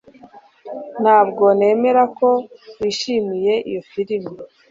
Ntabwo nemera ko wishimiye iyo firime